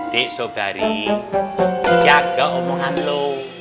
dik sobari jaga omongan lo